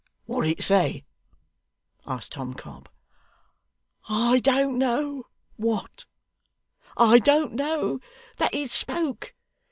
'What did it say?' asked Tom Cobb. 'I don't know what; I don't know that it spoke.